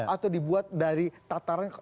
atau dibuat dari tataran